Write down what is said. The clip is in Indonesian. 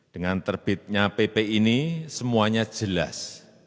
dengan terbitnya pp ini semuanya jelas